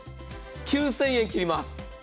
９０００円切ります。